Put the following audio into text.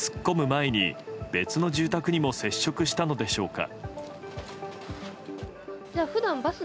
前に別の住宅にも接触したのでしょうか。